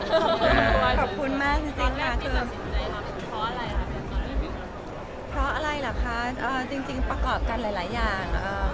ขอบคุณมากจริงค่ะคือพออะไรล่ะคะจริงประกอบกันหลายอย่าง